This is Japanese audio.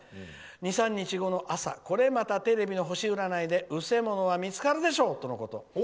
２３日後の朝これまたテレビの星占いでうせものは見つかるでしょうとのこと。